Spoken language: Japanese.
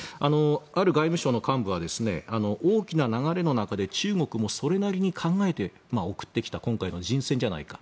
ある外務省の幹部は大きな流れの中で、中国もそれなりに考えて送ってきた今回の人選じゃないか。